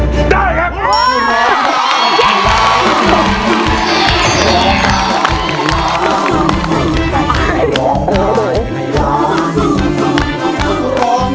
ป้าก๊อตและน้องนิวร้อง